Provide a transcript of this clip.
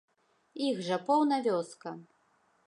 Іх жа поўна вёска.